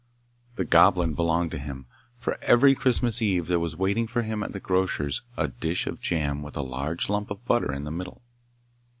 The Goblin belonged to him, for every Christmas Eve there was waiting for him at the grocer's a dish of jam with a large lump of butter in the middle.